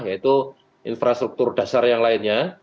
yaitu infrastruktur dasar yang lainnya